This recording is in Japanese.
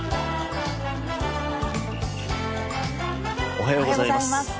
おはようございます。